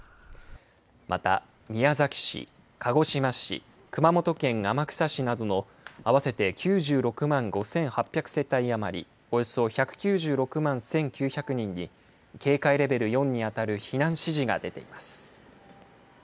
また宮崎市、鹿児島市熊本県天草市などの合わせて９６万５８００世帯余りおよそ１９６万１９００人に警戒レベル４に当たる避難指示が出ています。